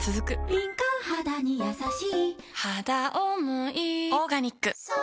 敏感肌にやさしい